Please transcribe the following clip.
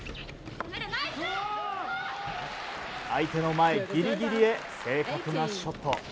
相手の前ギリギリへ正確なショット。